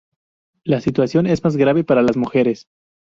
La situación es más grave para las mujeres.